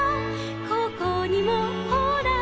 「ここにもほら」